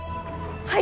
はい！